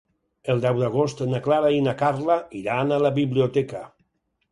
El deu d'agost na Clara i na Carla iran a la biblioteca.